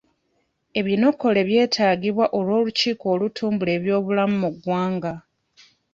Ebinokole byetaagibwa olw'olukiiko olutumbula ebyobulamu mu ggwanga.